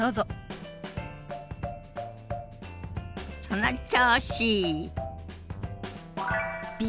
その調子！